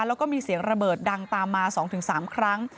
แล้วก็มีเสียงระเบิดดังตามมา๒๓ครั้ง